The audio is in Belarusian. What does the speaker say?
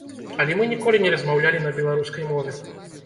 Але мы ніколі не размаўлялі на беларускай мове.